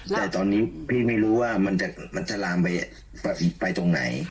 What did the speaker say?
แต่ตอนนี้พี่ไม่รู้ว่ามันจะลามไปตรงไหน